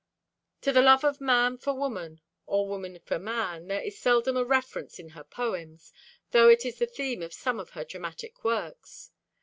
To the love of man for woman, or woman for man, there is seldom a reference in her poems, although it is the theme of some of her dramatic works.